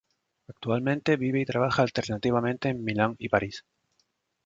Actualmente vive y trabaja alternativamente en Milán y París.